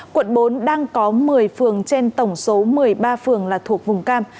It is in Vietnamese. quận bốn đang có một mươi phường trên tổng số một mươi ba phường là thuộc vùng cam